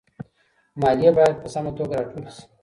ماليې بايد په سمه توګه راټولي سي.